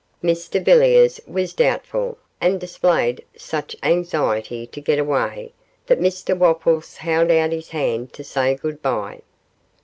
Mr Villiers was doubtful, and displayed such anxiety to get away that Mr Wopples held out his hand to say goodbye.